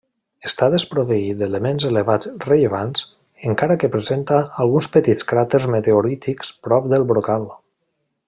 Està desproveït d'elements elevats rellevants, encara que presenta alguns petits cràters meteorítics prop del brocal.